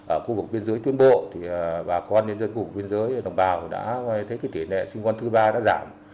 ở khu vực biên giới tuyên bộ bà con đến dân khu vực biên giới đồng bào đã thấy tỉ nệ sinh con thứ ba đã giảm